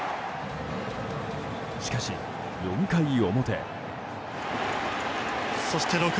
しかし、４回表。